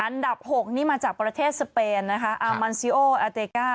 อันดับ๖นี่มาจากประเทศสเปนนะคะอามันซิโออาเตก้า